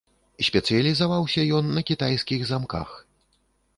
Спецыялізаваўся ён на кітайскіх замках.